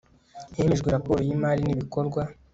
hemejwe raporo y'imari n'ibikorwa